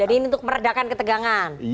jadi ini untuk meredakan ketegangan